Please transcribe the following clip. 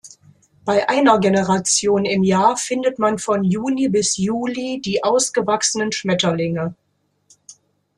Bei einer Generation im Jahr findet man von Juni bis Juli die ausgewachsenen Schmetterlinge.